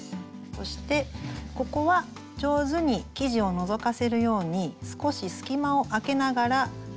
そしてここは上手に生地をのぞかせるように少し隙間をあけながらぐるぐるぐると巻いていきます。